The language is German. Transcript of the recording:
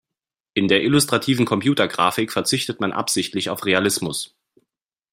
In der illustrativen Computergrafik verzichtet man absichtlich auf Realismus.